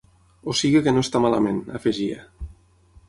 O sigui que no està malament, afegia.